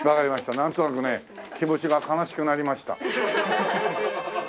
なんとなくね気持ちが悲しくなりました。